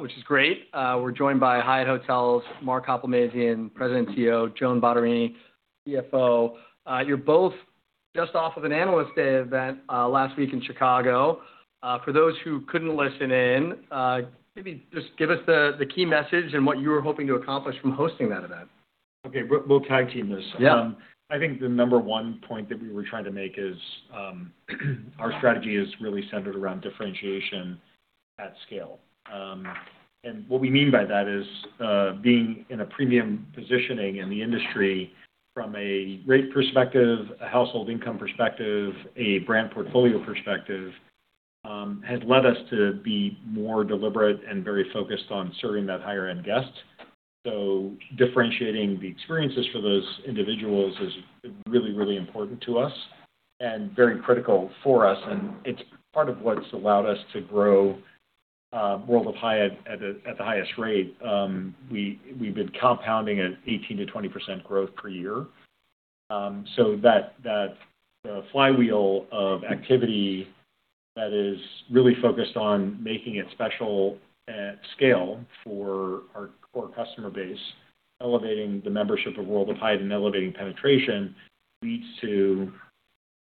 Which is great. We're joined by Hyatt Hotels, Mark Hoplamazian, President and CEO, Joan Bottarini, CFO. You're both just off of an Analyst Day event last week in Chicago. For those who couldn't listen in, maybe just give us the key message and what you were hoping to accomplish from hosting that event. Okay. We'll tag team this. Yeah. I think the number one point that we were trying to make is our strategy is really centered around differentiation at scale. What we mean by that is being in a premium positioning in the industry from a rate perspective, a household income perspective, a brand portfolio perspective, has led us to be more deliberate and very focused on serving that higher-end guest. Differentiating the experiences for those individuals is really, really important to us and very critical for us, and it's part of what's allowed us to grow World of Hyatt at the highest rate. We've been compounding at 18%-20% growth per year. That flywheel of activity that is really focused on making it special at scale for our core customer base, elevating the membership of World of Hyatt and elevating penetration, leads to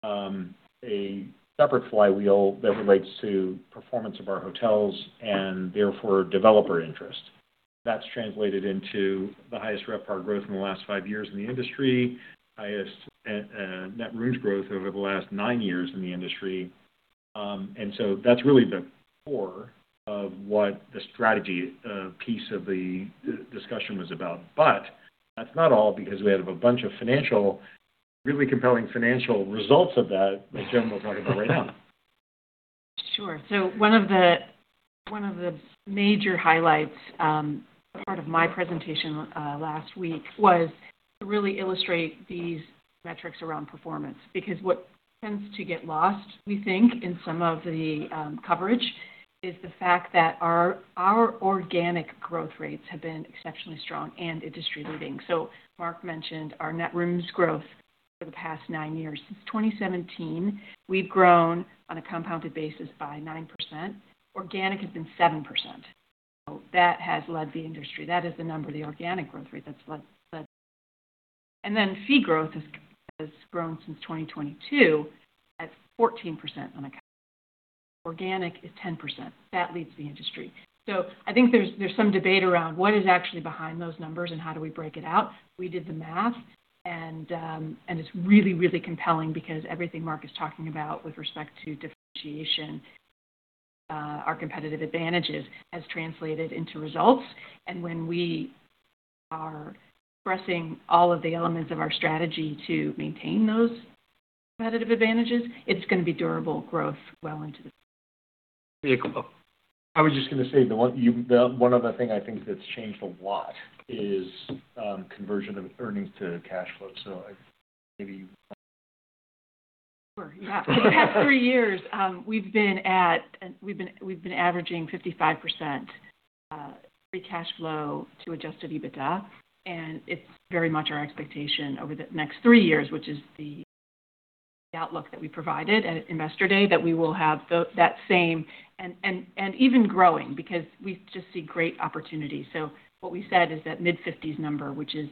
a separate flywheel that relates to performance of our hotels and therefore developer interest. That's translated into the highest RevPAR growth in the last five years in the industry, highest net rooms growth over the last nine years in the industry. That's really the core of what the strategy piece of the discussion was about. That's not all because we have a bunch of really compelling financial results of that Joan will talk about right now. Sure. One of the major highlights, part of my presentation last week was to really illustrate these metrics around performance. What tends to get lost, we think, in some of the coverage, is the fact that our organic growth rates have been exceptionally strong and industry-leading. Mark mentioned our net rooms growth for the past nine years. Since 2017, we've grown on a compounded basis by 9%. Organic has been 7%. That has led the industry. That is the number, the organic growth rate. That's what led. Fee growth has grown since 2022 at 14% on a comp. Organic is 10%. That leads the industry. I think there's some debate around what is actually behind those numbers and how do we break it out. We did the math, and it's really, really compelling because everything Mark is talking about with respect to differentiation, our competitive advantages has translated into results. When we are expressing all of the elements of our strategy to maintain those competitive advantages, it's going to be durable growth well into the future. Yeah, cool. I was just going to say, the one other thing I think that's changed a lot is conversion of earnings to cash flow. Maybe. Sure, yeah. For the past three years, we've been averaging 55% free cash flow to Adjusted EBITDA, it's very much our expectation over the next three years, which is the outlook that we provided at Investor Day, that we will have that same, and even growing, because we just see great opportunities. What we said is that mid-50s number, which is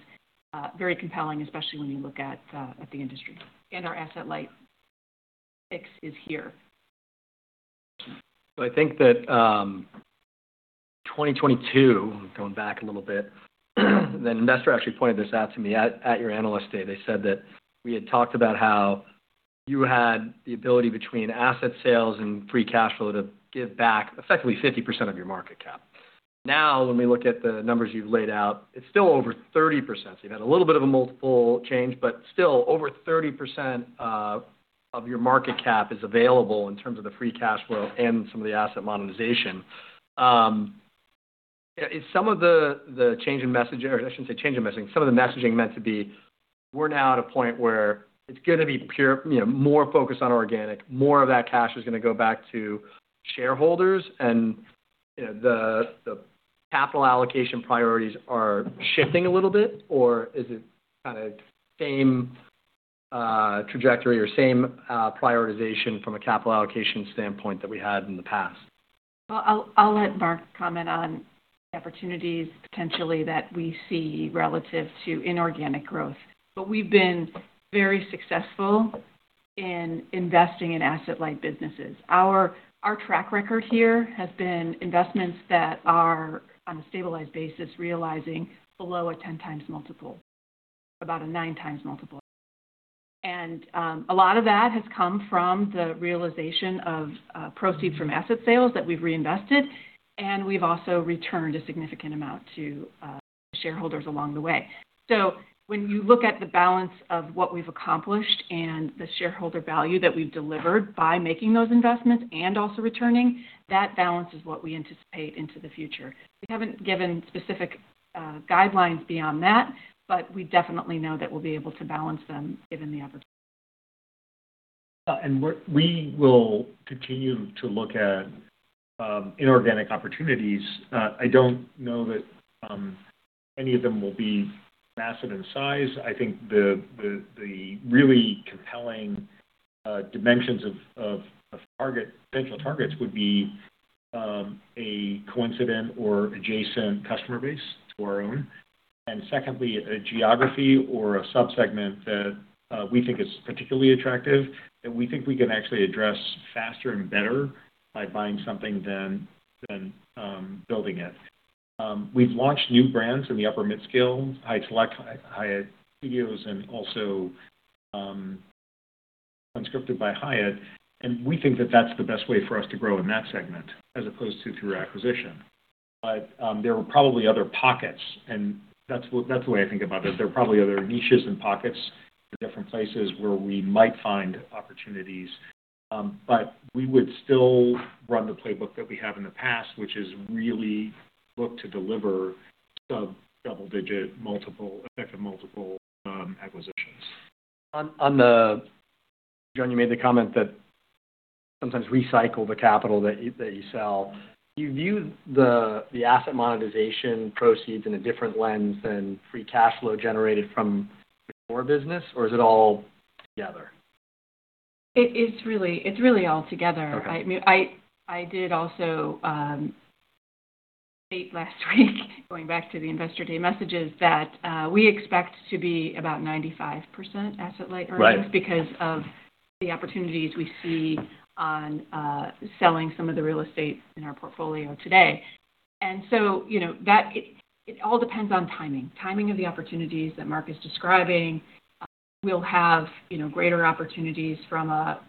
very compelling, especially when you look at the industry. Our asset-light mix is here. I think that 2022, going back a little bit, an investor actually pointed this out to me at your Analyst Day. They said that we had talked about how you had the ability, between asset sales and free cash flow, to give back effectively 50% of your market cap. When we look at the numbers you've laid out, it's still over 30%. You've had a little bit of a multiple change, but still over 30% of your market cap is available in terms of the free cash flow and some of the asset monetization. Is some of the change in message, or I shouldn't say change in messaging, some of the messaging meant to be we're now at a point where it's going to be more focused on organic, more of that cash is going to go back to shareholders, and the capital allocation priorities are shifting a little bit? Is it kind of same trajectory or same prioritization from a capital allocation standpoint that we had in the past? Well, I'll let Mark comment on opportunities potentially that we see relative to inorganic growth. We've been very successful in investing in asset-light businesses. Our track record here has been investments that are, on a stabilized basis, realizing below a 10x multiple, about a 9x multiple. A lot of that has come from the realization of proceeds from asset sales that we've reinvested, and we've also returned a significant amount to shareholders along the way. When you look at the balance of what we've accomplished and the shareholder value that we've delivered by making those investments and also returning, that balance is what we anticipate into the future. We haven't given specific guidelines beyond that, but we definitely know that we'll be able to balance them given the opportunity. We will continue to look at inorganic opportunities. I don't know that any of them will be massive in size. I think the really compelling dimensions of potential targets would be a coincident or adjacent customer base to our own, and secondly, a geography or a sub-segment that we think is particularly attractive that we think we can actually address faster and better by buying something than building it. We've launched new brands in the upper mid-scale, Hyatt Select, Hyatt Studios, and also Unscripted by Hyatt, and we think that that's the best way for us to grow in that segment as opposed to through acquisition. There are probably other pockets, and that's the way I think about this. There are probably other niches and pockets in different places where we might find opportunities. We would still run the playbook that we have in the past, which is really look to deliver sub-double-digit effect of multiple acquisitions. Joan, you made the comment that sometimes recycle the capital that you sell. Do you view the asset monetization proceeds in a different lens than free cash flow generated from your core business, or is it all together? It's really all together. Okay. I did also state last week going back to the Investor Day messages that we expect to be about 95% asset-light earnings-. Right because of the opportunities we see on selling some of the real estate in our portfolio today. It all depends on timing. Timing of the opportunities that Mark is describing. We'll have greater opportunities from a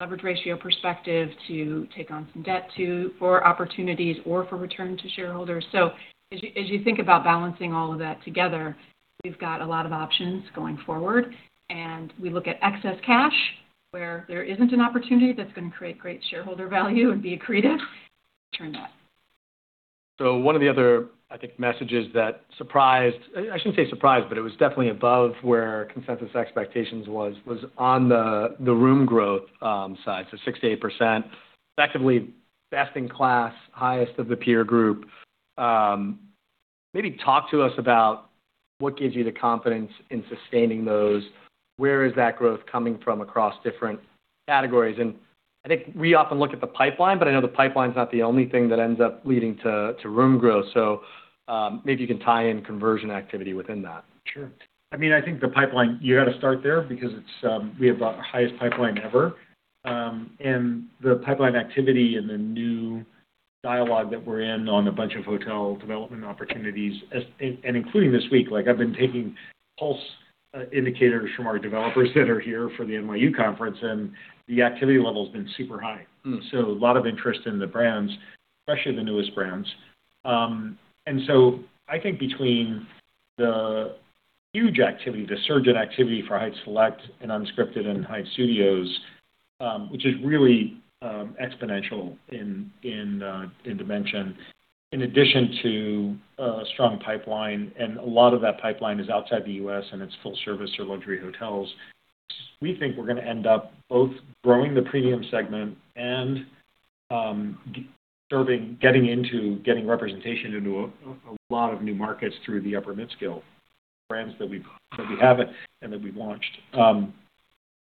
leverage ratio perspective to take on some debt for opportunities or for return to shareholders. As you think about balancing all of that together, we've got a lot of options going forward, and we look at excess cash where there isn't an opportunity that's going to create great shareholder value and be accretive to return that. One of the other, I think, messages that surprised, I shouldn't say surprised, but it was definitely above where consensus expectations was on the room growth side, 6%-8%, effectively best in class, highest of the peer group. Maybe talk to us about what gives you the confidence in sustaining those. Where is that growth coming from across different categories? I think we often look at the pipeline, but I know the pipeline's not the only thing that ends up leading to room growth. Maybe you can tie in conversion activity within that. Sure. I think the pipeline, you got to start there because we have the highest pipeline ever. The pipeline activity and the new dialogue that we're in on a bunch of hotel development opportunities, and including this week. I've been taking pulse indicators from our developers that are here for the NYU conference, and the activity level's been super high. A lot of interest in the brands, especially the newest brands. I think between the huge activity, the surge in activity for Hyatt Select and Unscripted and Hyatt Studios, which is really exponential in dimension, in addition to a strong pipeline, and a lot of that pipeline is outside the U.S. and it's full service or luxury hotels. We think we're going to end up both growing the premium segment and getting representation into a lot of new markets through the upper mid-scale brands that we have and that we've launched.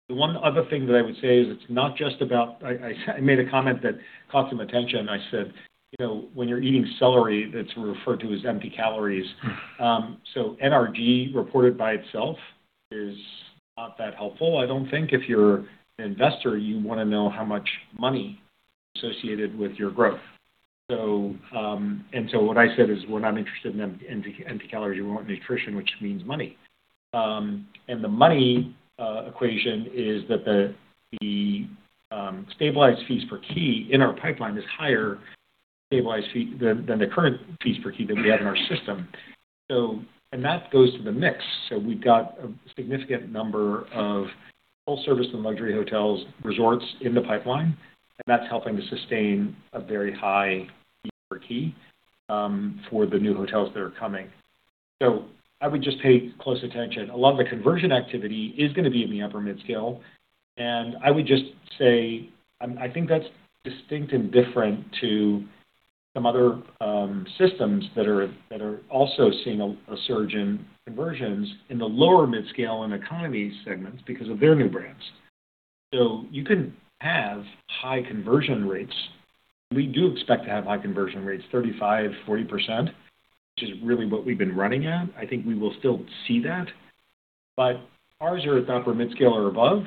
The one other thing that I would say is it's not just. I made a comment that caught some attention. I said, when you're eating celery, that's referred to as empty calories. NRG reported by itself is not that helpful. I don't think if you're an investor, you want to know how much money associated with your growth. What I said is, we're not interested in empty calories. We want nutrition, which means money. The money equation is that the stabilized fees per key in our pipeline is higher than the current fees per key that we have in our system. That goes to the mix. We've got a significant number of full service and luxury hotels, resorts in the pipeline, and that's helping to sustain a very high fee per key for the new hotels that are coming. I would just pay close attention. A lot of the conversion activity is going to be in the upper mid-scale, and I would just say, I think that's distinct and different to some other systems that are also seeing a surge in conversions in the lower mid-scale and economy segments because of their new brands. You can have high conversion rates. We do expect to have high conversion rates, 35%-40%, which is really what we've been running at. I think we will still see that. Ours are at the upper mid-scale or above.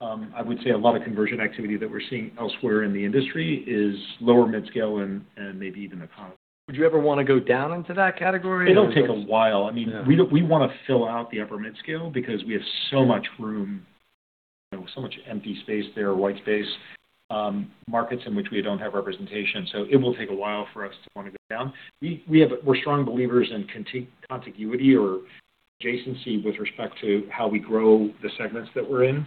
I would say a lot of conversion activity that we're seeing elsewhere in the industry is lower mid-scale and maybe even economy. Would you ever want to go down into that category? It'll take a while. We want to fill out the upper mid-scale because we have so much room, so much empty space there, white space, markets in which we don't have representation. It will take a while for us to want to go down. We're strong believers in contiguity or adjacency with respect to how we grow the segments that we're in.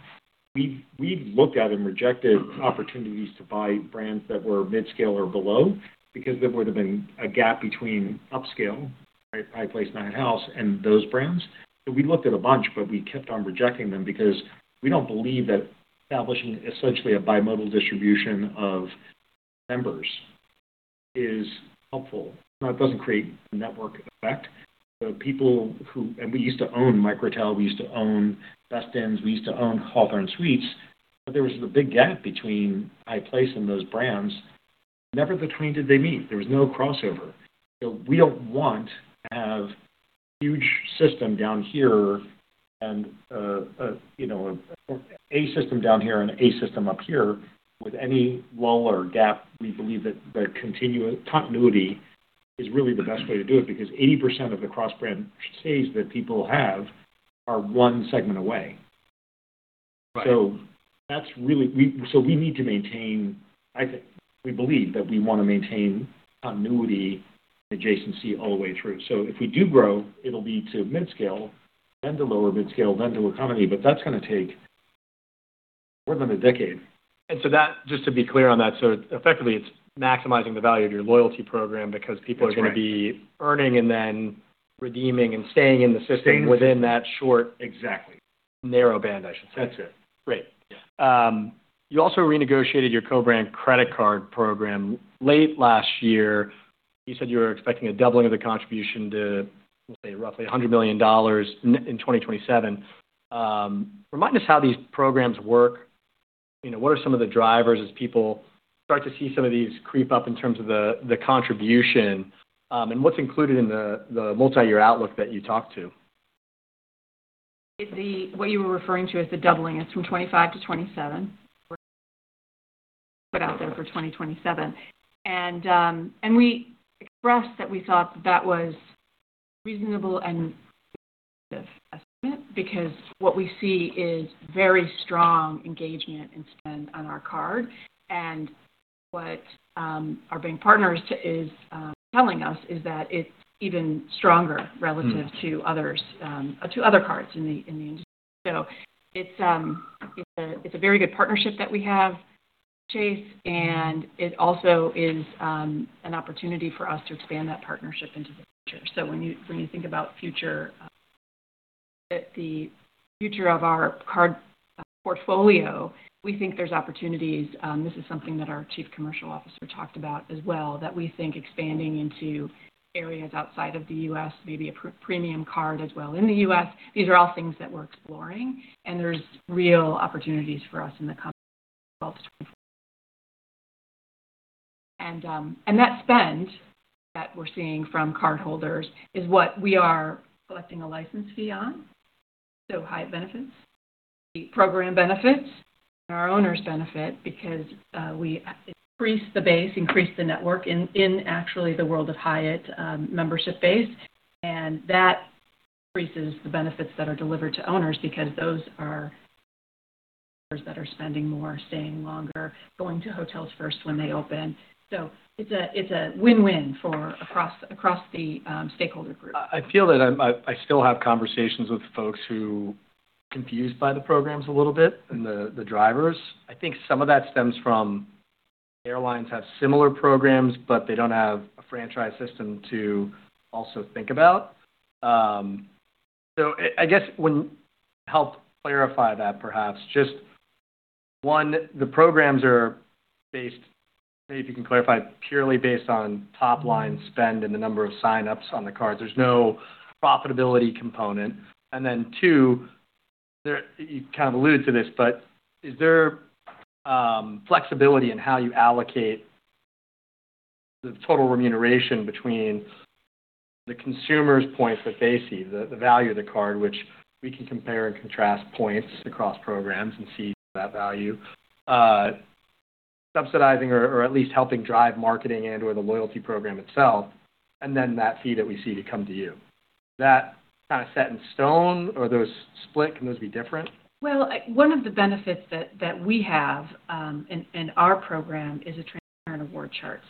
We've looked at and rejected opportunities to buy brands that were mid-scale or below because there would've been a gap between upscale, right, Hyatt Place and Hyatt House, and those brands. We looked at a bunch, but we kept on rejecting them because we don't believe that establishing essentially a bimodal distribution of members is helpful. Now, it doesn't create a network effect. We used to own Microtel, we used to own Best Inns, we used to own Hawthorn Suites, but there was a big gap between Hyatt Place and those brands. Never the twain did they meet. There was no crossover. We don't want to have huge system down here and a system down here and a system up here with any lull or gap. We believe that continuity is really the best way to do it, because 80% of the cross-brand stays that people have are one segment away. Right. We need to maintain, we believe that we want to maintain continuity and adjacency all the way through. If we do grow, it'll be to mid-scale, then to lower mid-scale, then to economy, but that's going to take more than a decade. That, just to be clear on that, effectively it's maximizing the value of your loyalty program. That's right. Are going to be earning and then redeeming and staying in the system within that short- Exactly. Narrow band, I should say. That's it. Great. Yeah. You also renegotiated your co-brand credit card program late last year. You said you were expecting a doubling of the contribution to, let's say, roughly $100 million in 2027. Remind us how these programs work. What are some of the drivers as people start to see some of these creep up in terms of the contribution, and what's included in the multi-year outlook that you talked to? What you were referring to as the doubling, it's from 2025 to 2027. Put out there for 2027. We expressed that we thought that was reasonable and estimate because what we see is very strong engagement and spend on our card. What our bank partners is telling us is that it's even stronger relative to other cards in the industry. It's a very good partnership that we have with Chase, and it also is an opportunity for us to expand that partnership into the future. When you think about the future of our card portfolio, we think there's opportunities. This is something that our Chief Commercial Officer talked about as well, that we think expanding into areas outside of the U.S., maybe a premium card as well in the U.S. These are all things that we're exploring, and there's real opportunities for us in the coming years as well. That spend that we're seeing from cardholders is what we are collecting a license fee on. Hyatt benefits, the program benefits, and our owners benefit because we increase the base, increase the network in actually the World of Hyatt membership base. That increases the benefits that are delivered to owners because those are owners that are spending more, staying longer, going to hotels first when they open. It's a win-win for across the stakeholder group. I feel that I still have conversations with folks who are confused by the programs a little bit and the drivers. I think some of that stems from airlines have similar programs, but they don't have a franchise system to also think about. I guess help clarify that, perhaps. Just one, the programs are based, maybe if you can clarify, purely based on top-line spend and the number of sign-ups on the cards. There's no profitability component. Two, you kind of alluded to this, but is there flexibility in how you allocate the total remuneration between the consumer's points that they see, the value of the card, which we can compare and contrast points across programs and see that value, subsidizing or at least helping drive marketing and/or the loyalty program itself, and then that fee that we see to come to you? Is that kind of set in stone or those split, can those be different? Well, one of the benefits that we have in our program is a transparent award chart.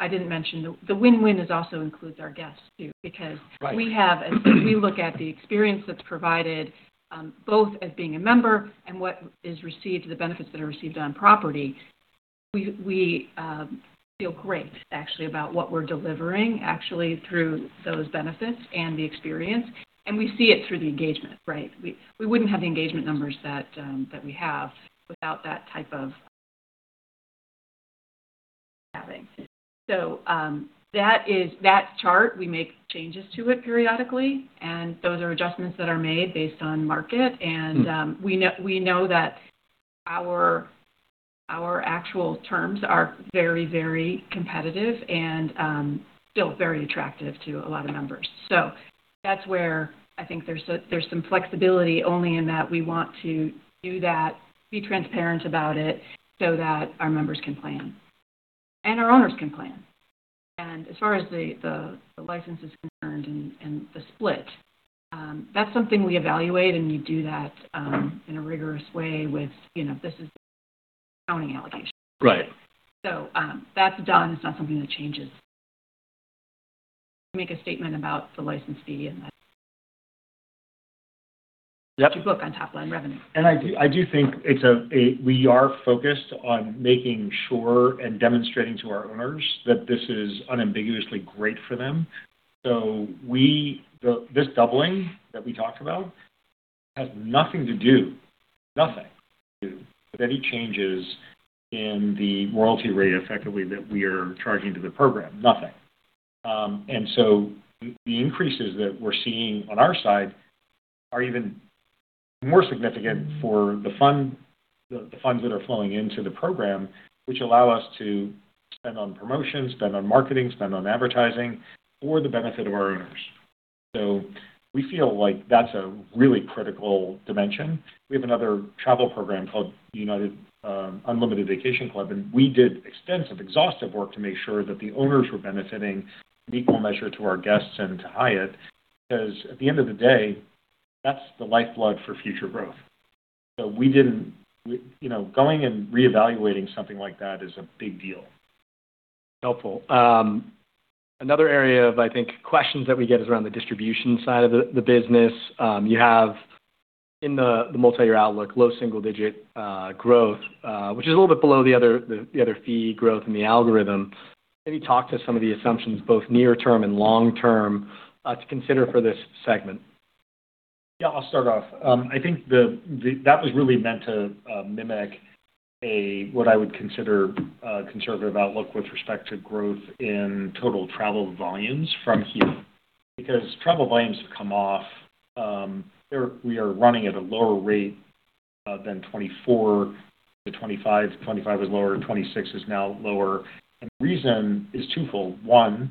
I didn't mention, the win-win also includes our guests too. Right We look at the experience that's provided, both as being a member and what is received, the benefits that are received on property. We feel great, actually, about what we're delivering, actually, through those benefits and the experience, and we see it through the engagement, right? We wouldn't have the engagement numbers that we have without that type of having. That chart, we make changes to it periodically, and those are adjustments that are made based on market. We know that our actual terms are very, very competitive and still very attractive to a lot of members. That's where I think there's some flexibility only in that we want to do that, be transparent about it so that our members can plan and our owners can plan. As far as the license is concerned and the split, that's something we evaluate, and we do that in a rigorous way with, this is accounting allocation. Right. That's done. It's not something that changes. Make a statement about the license fee and that. Yep. That you book on top-line revenue. I do think we are focused on making sure and demonstrating to our owners that this is unambiguously great for them. This doubling that we talked about has nothing to do, nothing to do with any changes in the royalty rate, effectively, that we are charging to the program. Nothing. The increases that we're seeing on our side are even more significant for the funds that are flowing into the program, which allow us to spend on promotion, spend on marketing, spend on advertising for the benefit of our owners. We feel like that's a really critical dimension. We have another travel program called Unlimited Vacation Club, and we did extensive, exhaustive work to make sure that the owners were benefiting in equal measure to our guests and to Hyatt, because at the end of the day, that's the lifeblood for future growth. Going and reevaluating something like that is a big deal. Helpful. Another area of, I think, questions that we get is around the distribution side of the business. You have in the multi-year outlook, low single-digit growth, which is a little bit below the other fee growth in the algorithm. Can you talk to some of the assumptions, both near term and long term, to consider for this segment? Yeah, I'll start off. I think that was really meant to mimic a, what I would consider a conservative outlook with respect to growth in total travel volumes from here, because travel volumes have come off. We are running at a lower rate than 2024 to 2025. 2025 was lower, 2026 is now lower. The reason is twofold. One,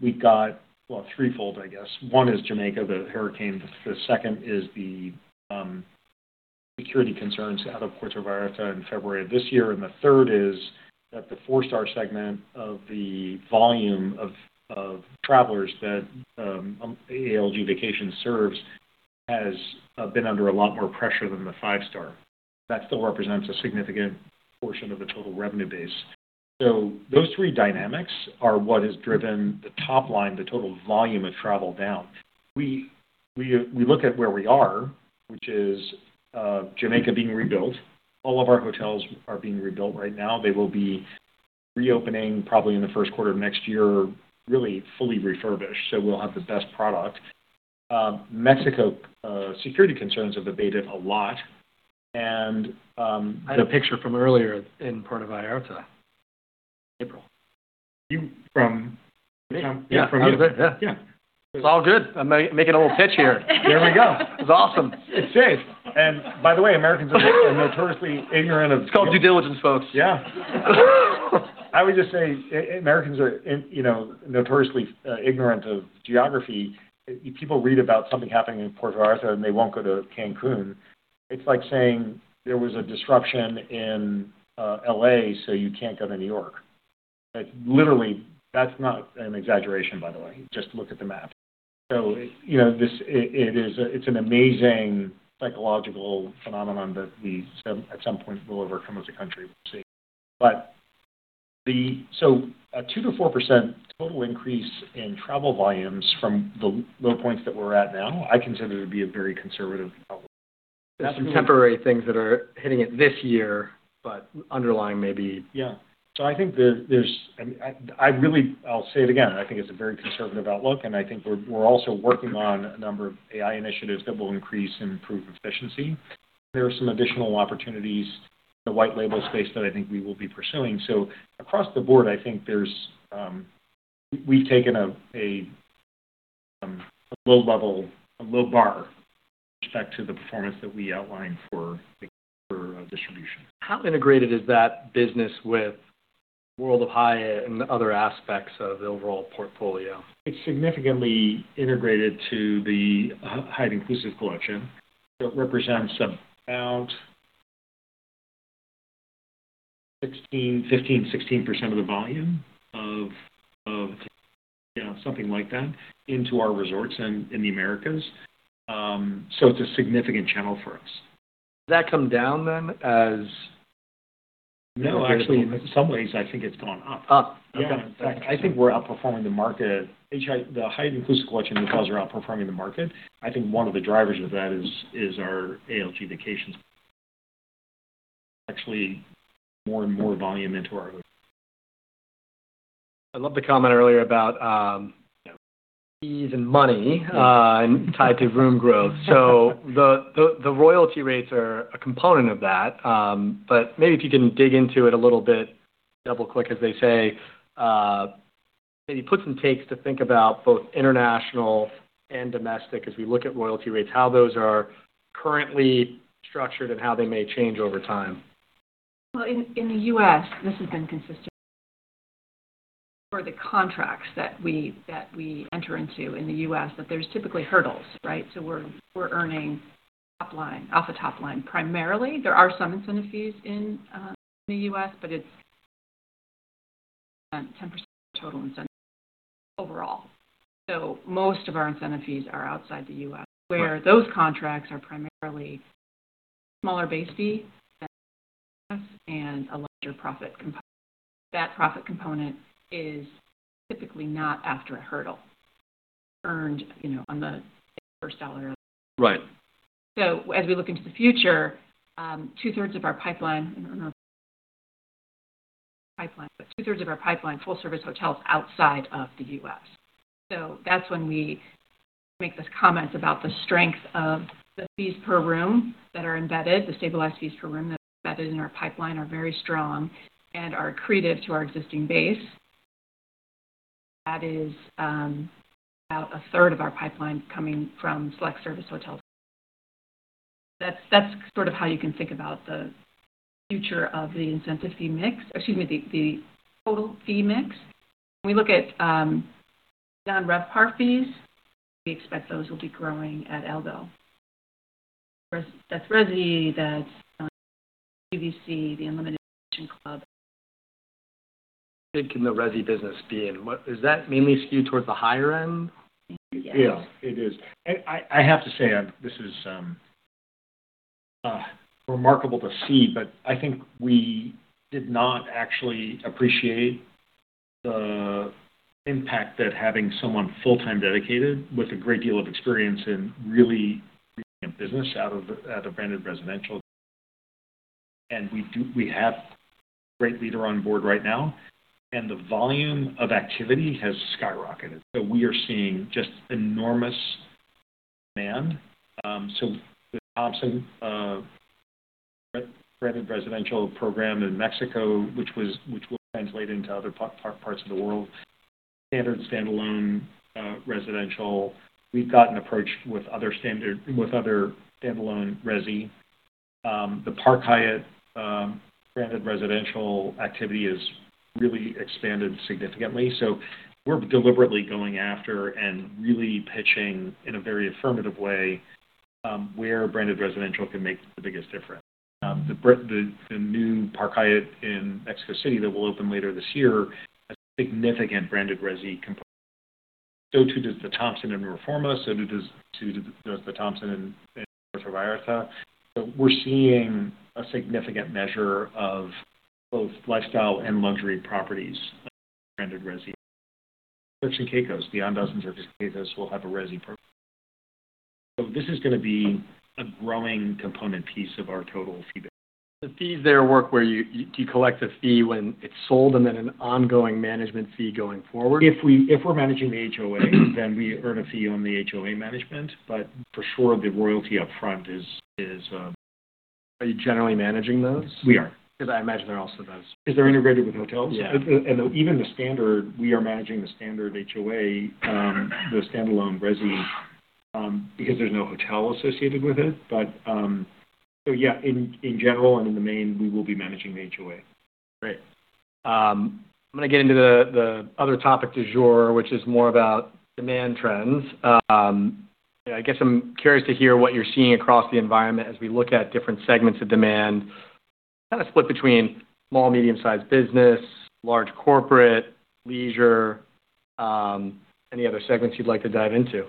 we've got Well, threefold, I guess. One is Jamaica, the hurricane. The second is the security concerns out of Puerto Vallarta in February of this year. The third is that the four-star segment of the volume of travelers that ALG Vacations serves has been under a lot more pressure than the five-star. That still represents a significant portion of the total revenue base. Those three dynamics are what has driven the top line, the total volume of travel down. We look at where we are, which is Jamaica being rebuilt. All of our hotels are being rebuilt right now. They will be reopening probably in the first quarter of next year, really fully refurbished, so we'll have the best product. Mexico security concerns have abated a lot, and I had a picture from earlier in Puerto Vallarta, April. Me. Yeah, from you. How was it? Yeah. Yeah. It's all good. I'm making a little pitch here. There we go. It's awesome. It's safe. By the way, Americans are notoriously ignorant of. It's called due diligence, folks. Yeah. I would just say Americans are notoriously ignorant of geography. People read about something happening in Puerto Vallarta, and they won't go to Cancun. It's like saying there was a disruption in L.A., so you can't go to New York. Literally, that's not an exaggeration, by the way. Just look at the map. It's an amazing psychological phenomenon that we at some point will overcome as a country, we'll see. A 2%-4% total increase in travel volumes from the low points that we're at now, I consider to be a very conservative outlook. There's some temporary things that are hitting it this year, but underlying maybe. Yeah. I really, I'll say it again, I think it's a very conservative outlook. I think we're also working on a number of AI initiatives that will increase and improve efficiency. There are some additional opportunities in the white label space that I think we will be pursuing. Across the board, we've taken a low level, a low bar with respect to the performance that we outlined for distribution. How integrated is that business with World of Hyatt and other aspects of the overall portfolio? It's significantly integrated to the Hyatt Inclusive Collection. It represents about 15%-16% of the volume, something like that, into our resorts in the Americas. It's a significant channel for us. Does that come down then? No. Actually, in some ways, I think it's gone up. Up? Okay. Yeah. I think we're outperforming the market. The Hyatt Inclusive Collection hotels are outperforming the market. I think one of the drivers of that is our ALG Vacations. Actually, more and more volume into our hotel. I loved the comment earlier about fees and money tied to room growth. The royalty rates are a component of that. Maybe if you can dig into it a little bit, double-click as they say, maybe put some takes to think about both international and domestic as we look at royalty rates, how those are currently structured and how they may change over time. Well, in the U.S., this has been consistent for the contracts that we enter into in the U.S., that there's typically hurdles, right? We're earning top line, off the top line primarily. There are some incentive fees in the U.S., but it's 10% total incentive overall. Most of our incentive fees are outside the U.S., where those contracts are primarily smaller base fee than in the U.S. and a larger profit component. That profit component is typically not after a hurdle earned on the first dollar. Right. As we look into the future, two-thirds of our pipeline in North, but two-thirds of our pipeline full service hotels outside of the U.S. That's when we make this comment about the strength of the fees per room that are embedded, the stabilized fees per room that are embedded in our pipeline are very strong and are accretive to our existing base. That is about a third of our pipeline coming from select service hotels. That's how you can think about the future of the incentive fee mix, excuse me, the total fee mix. When we look at non-RevPAR fees, we expect those will be growing at above. That's [Resi], that's UVC, the Unlimited Vacation Club. Where can the [Resi] business be? Is that mainly skewed towards the higher end? Yes. Yeah, it is. I have to say, this is remarkable to see, I think we did not actually appreciate the impact that having someone full-time dedicated with a great deal of experience in really bringing a business out of branded residential. We have a great leader on board right now, and the volume of activity has skyrocketed. We are seeing just enormous demand. The Thompson branded residential program in Mexico, which will translate into other parts of the world. The Standard standalone residential. We've gotten approached with other standalone [Resi]. The Park Hyatt branded residential activity has really expanded significantly. We're deliberately going after and really pitching in a very affirmative way where branded residential can make the biggest difference. The new Park Hyatt in Mexico City that will open later this year, a significant branded Resi component. Too does the Thompson in Reforma. Too does the Thompson in Puerto Vallarta. We're seeing a significant measure of both lifestyle and luxury properties, branded [Resi]. Turks and Caicos, beyond Turks and Caicos will have a [Resi] program. This is going to be a growing component piece of our total fee base. The fees there work where you collect a fee when it's sold and then an ongoing management fee going forward? If we're managing the HOA, then we earn a fee on the HOA management, but for sure, the royalty upfront is- Are you generally managing those? We are. Because I imagine there are also those. Is they're integrated with hotels? Yeah. Even the standard, we are managing the standard HOA, the standalone [Resi], because there's no hotel associated with it. Yeah, in general and in the main, we will be managing the HOA. Great. I'm going to get into the other topic du jour, which is more about demand trends. I guess I'm curious to hear what you're seeing across the environment as we look at different segments of demand, split between small, medium-sized business, large corporate, leisure, any other segments you'd like to dive into.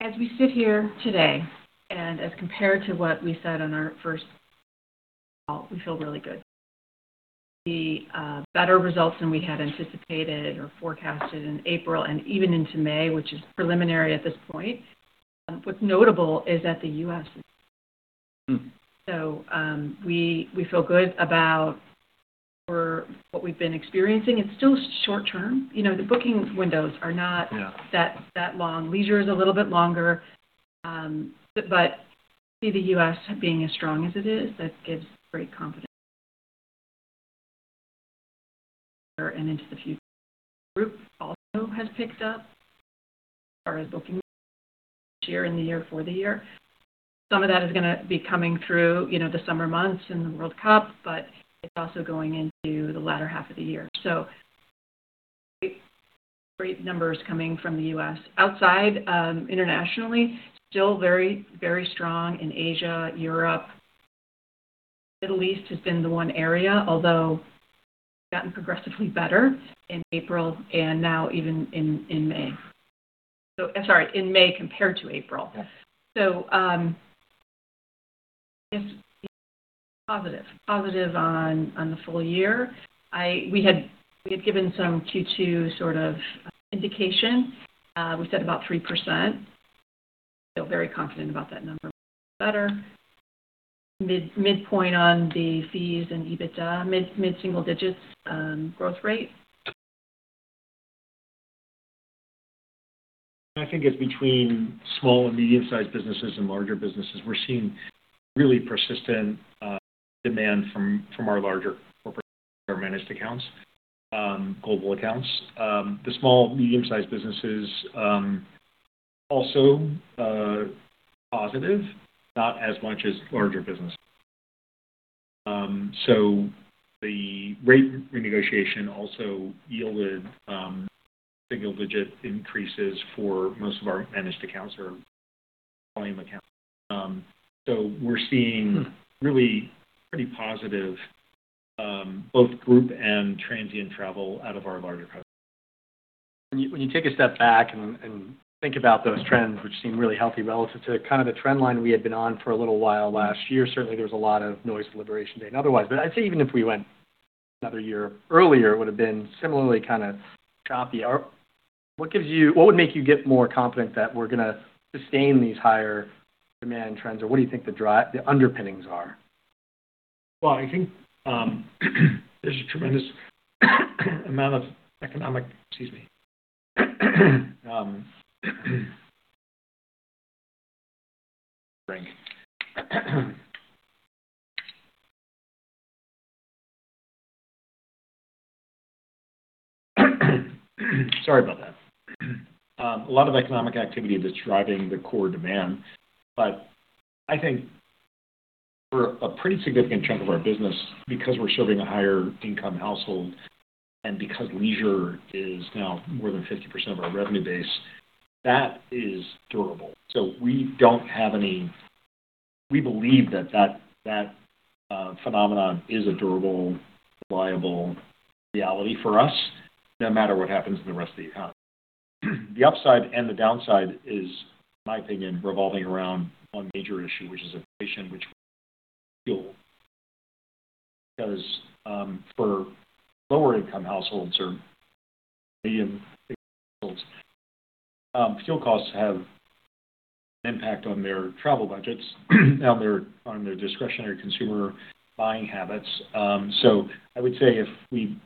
As we sit here today, and as compared to what we said on our first call, we feel really good, the better results than we had anticipated or forecasted in April and even into May, which is preliminary at this point. What's notable is that the U.S. is strong. We feel good about what we've been experiencing. It's still short term. Yeah You know the booking window are not that long. Leisure is a little bit longer. To see the U.S. being as strong as it is, that gives great confidence in the near term and into the future. Group also has picked up as far as bookings go this year and the year for the year. Some of that is going to be coming through the summer months and the World Cup, but it's also going into the latter half of the year. Great numbers coming from the U.S. Outside, internationally, still very strong in Asia, Europe. The Middle East has been the one area, although it's gotten progressively better in April and now even in May. Sorry, in May compared to April. Yeah. I guess positive on the full year. We had given some Q2 sort of indication. We said about 3%. I feel very confident about that number, maybe a little better. Midpoint on the fees and EBITDA, mid-single digits growth rate. I think it's between small and medium-sized businesses and larger businesses. We're seeing really persistent demand from our larger corporate customers, our managed accounts, global accounts. The small, medium-sized businesses also positive, not as much as larger businesses. The rate renegotiation also yielded single-digit increases for most of our managed accounts or volume accounts. We're seeing really pretty positive both group and transient travel out of our larger customers. When you take a step back and think about those trends, which seem really healthy relative to the trend line we had been on for a little while last year. Certainly, there was a lot of noise with Liberation Day and otherwise. I'd say even if we went another year earlier, it would've been similarly choppy. What would make you get more confident that we're going to sustain these higher demand trends? What do you think the underpinnings are? Well, I think there's a tremendous amount of economic Excuse me. Drink. Sorry about that. A lot of economic activity that's driving the core demand, I think for a pretty significant chunk of our business, because we're serving a higher income household and because leisure is now more than 50% of our revenue base, that is durable. We believe that phenomenon is a durable, reliable reality for us, no matter what happens in the rest of the economy. The upside and the downside is, in my opinion, revolving around one major issue, which is inflation, which fuel, because for lower income households or medium income households, fuel costs have impact on their travel budgets, on their discretionary consumer buying habits. I would say if we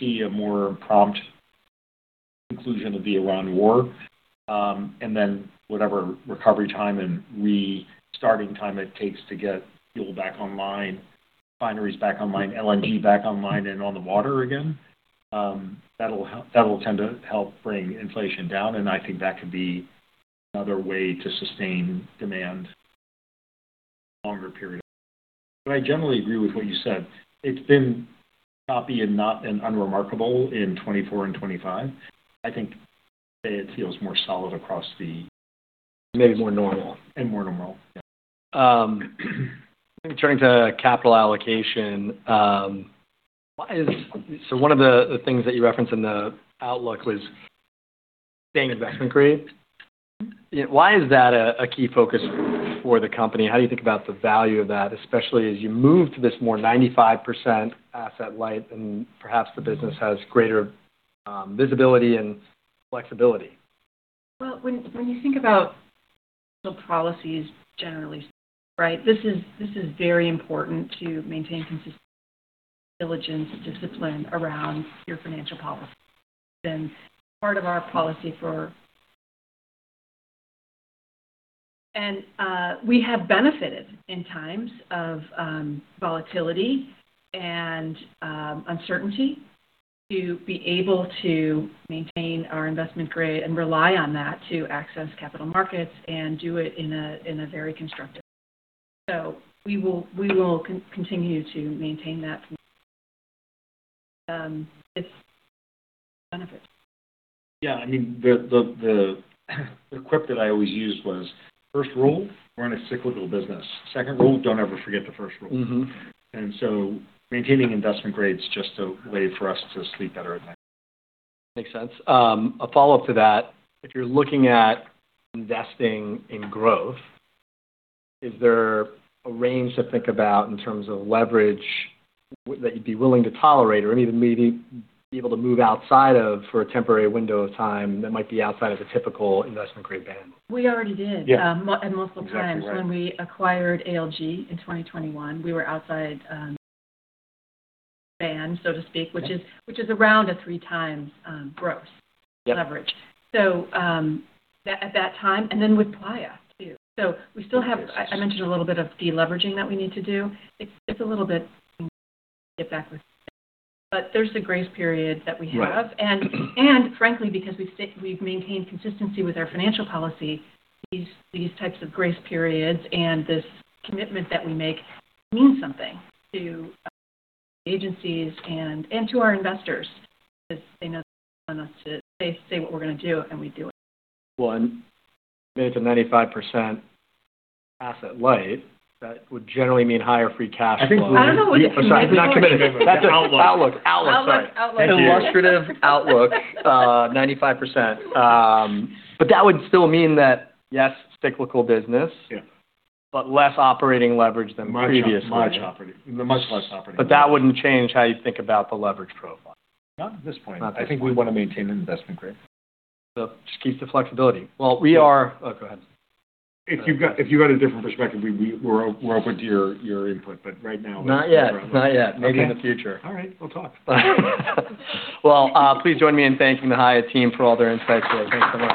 see a more prompt conclusion of the Ukraine war, and then whatever recovery time and restarting time it takes to get fuel back online, refineries back online, LNG back online and on the water again, that'll tend to help bring inflation down, and I think that could be another way to sustain demand longer period. I generally agree with what you said. It's been choppy and unremarkable in 2024 and 2025. I think it feels more solid across the. Maybe more normal. More normal. Yeah. Turning to capital allocation. One of the things that you referenced in the outlook was staying investment grade. Why is that a key focus for the company? How do you think about the value of that, especially as you move to this more 95% asset light and perhaps the business has greater visibility and flexibility? Well, when you think about policies generally, right? This is very important to maintain consistent diligence discipline around your financial policy. It's been part of our policy for. We have benefited in times of volatility and uncertainty to be able to maintain our investment grade and rely on that to access capital markets and do it in a very constructive way. We will continue to maintain that because it's benefit. Yeah, I mean, the quip that I always used was, first rule, we're in a cyclical business. Second rule, don't ever forget the first rule. Maintaining investment grade's just a way for us to sleep better at night. Makes sense. A follow-up to that, if you're looking at investing in growth, is there a range to think about in terms of leverage that you'd be willing to tolerate or even maybe be able to move outside of for a temporary window of time that might be outside of the typical investment grade band? We already did. Yeah. At multiple times. Exactly, right. When we acquired ALG in 2021, we were outside band, so to speak, which is around a three times gross-. Yep Leverage. At that time, and then with Playa, too. We still have. I mentioned a little bit of de-leveraging that we need to do. It's a little bit get back, there's the grace period that we have. Right. Frankly, because we've maintained consistency with our financial policy, these types of grace periods and this commitment that we make means something to agencies and to our investors, because they know us to say what we're going to do and we do it. One, committed to 95% asset light, that would generally mean higher free cash flow. I think we- I don't know what. Sorry, not committed. That's an outlook. Outlook. Outlook. Sorry. Outlook. Illustrative outlook, 95%. That would still mean that, yes, cyclical business- Yeah. Less operating leverage than previous. Much less operating leverage. That wouldn't change how you think about the leverage profile. Not at this point. Not at this point. I think we want to maintain an investment grade. Just keeps the flexibility. Well, Oh, go ahead. If you've got a different perspective, we're open to your input, but right now. Not yet. that's where we are. Not yet. Okay. Maybe in the future. All right. We'll talk. Well, please join me in thanking the Hyatt team for all their insights today. Thanks so much.